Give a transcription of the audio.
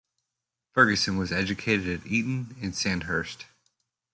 Fergusson was educated at Eton and Sandhurst.